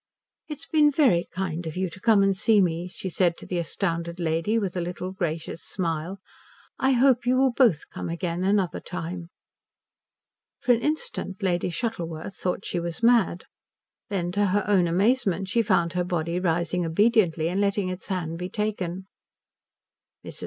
"It has been very kind of you to come and see me," she said to the astounded lady, with a little gracious smile. "I hope you will both come again another time." For an instant Lady Shuttleworth thought she was mad. Then to her own amazement she found her body rising obediently and letting its hand be taken. Mrs.